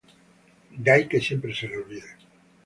De ahí que siempre se le olvide.